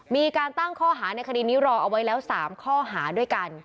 มีการตั้งข้อหาในคดีนี้รอเอาไว้แล้ว๓ข้อหาด้วยกัน